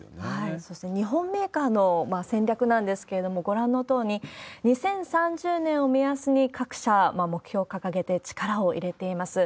そして日本メーカーの戦略なんですけれども、ご覧のとおり、２０３０年を目安に各社、目標を掲げて力を入れています。